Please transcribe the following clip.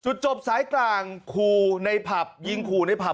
จบสายกลางขู่ในผับยิงขู่ในผับ